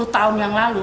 sepuluh tahun yang lalu